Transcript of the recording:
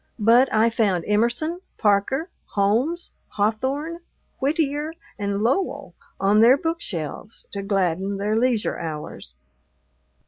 But I found Emerson, Parker, Holmes, Hawthorne, Whittier, and Lowell on their bookshelves to gladden their leisure hours.